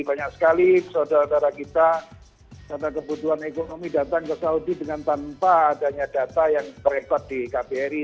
banyak sekali saudara saudara kita karena kebutuhan ekonomi datang ke saudi dengan tanpa adanya data yang terepat di kbri